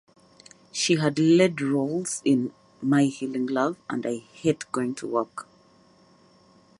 She had lead roles in "My Healing Love" and "I Hate Going To Work".